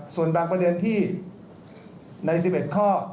ส่วนบางประเด็นที่ใน๑๑ข้อ